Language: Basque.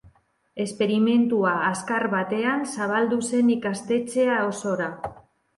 Esperimentua azkar batean zabaldu zen ikastetxe osora.